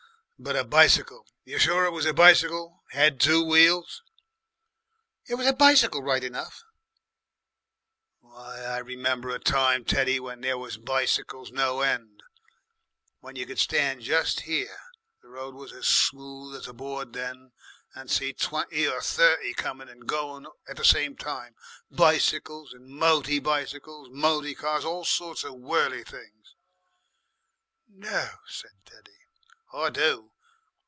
"But a bicycle! You're sure it was a bicycle? Had two wheels?" "It was a bicycle right enough." "Why! I remember a time, Teddy, where there was bicycles no end, when you could stand just here the road was as smooth as a board then and see twenty or thirty coming and going at the same time, bicycles and moty bicycles; moty cars, all sorts of whirly things." "No!" said Teddy. "I do.